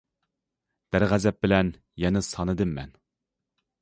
----- دەرغەزەپ بىلەن يەنە سانىدىم مەن.